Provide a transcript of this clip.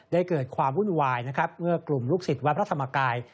เกิดความวุ่นวายนะครับเมื่อกลุ่มลูกศิษย์วัดพระธรรมกาย